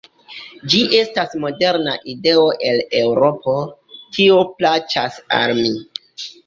Ĝi estas moderna ideo el Eŭropo; tio plaĉas al mi.